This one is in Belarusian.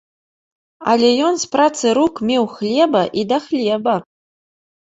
Але ён з працы рук меў хлеба і да хлеба.